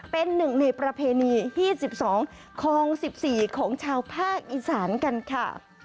เป็นหนึ่งในประเพณี๒๒คลอง๑๔ของชาวภาคอีสานกันค่ะ